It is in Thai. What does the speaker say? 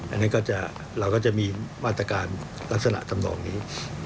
อันนี้ก็จะเราก็จะมีมาตรการลักษณะทำนองนี้